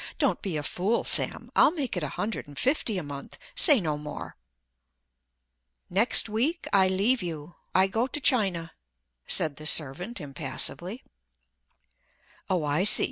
Don't be a fool, Sam; I'll make it a hundred and fifty a month—say no more." "Next week I leave you—I go to China," said the servant impassively. "Oh, I see!